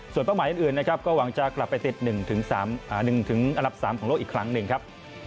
ส่วนเป้าหมายอื่นนะครับก็หวังจะกลับไปติด๑อันดับ๓ของโลกอีกครั้งหนึ่งครับ